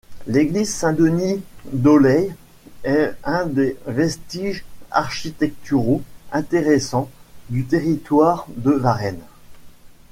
L'Église Saint-Denis d'Oleye est un des vestiges architecturaux intéressants du territoire de Waremme.